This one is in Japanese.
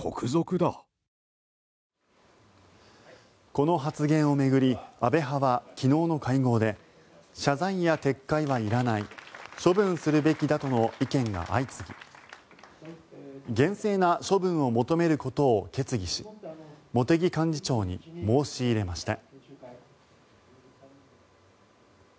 この発言を巡り安倍派は昨日の会合で謝罪や撤回はいらない処分するべきだとの意見が相次ぎ厳正な処分を求めることを決議し茂木幹事長に申し入れました。